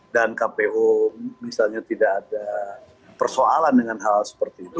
dan kpu misalnya tidak ada persoalan dengan hal seperti itu